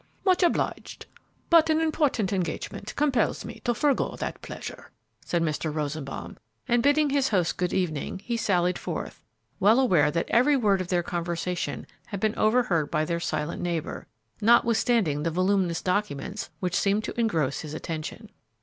"Much obliged, but an important engagement compels me to forego that pleasure," said Mr. Rosenbaum, and, bidding his host good evening, he sallied forth, well aware that every word of their conversation had been overheard by their silent neighbor, notwithstanding the voluminous documents which seemed to engross his attention.